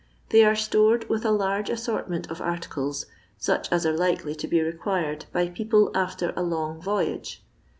They are stored with a large assortment of articles, such as are likely to be required by people after a long voyage.